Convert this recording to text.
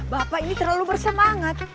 bapak ini terlalu bersemangat